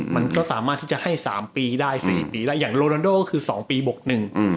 มันก็สามารถที่จะให้สามปีได้สี่ปีได้อย่างโรนาโด่คือสองปีบกหนึ่ง